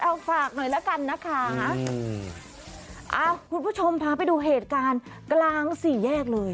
เอาฝากหน่อยแล้วกันนะคะอืมอ่าคุณผู้ชมพาไปดูเหตุการณ์กลางสี่แยกเลย